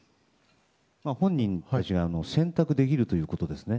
本人たちが選択できるということですね。